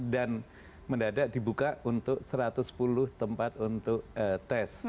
dan mendadak dibuka untuk satu ratus sepuluh tempat untuk tes